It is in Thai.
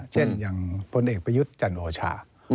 เช่นอย่างพลเอกประยุทธ์จันโอชา